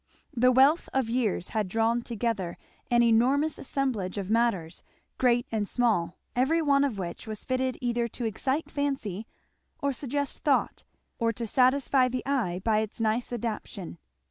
The wealth of years had drawn together an enormous assemblage of matters, great and small, every one of which was fitted either to excite fancy, or suggest thought, or to satisfy the eye by its nice adaptation.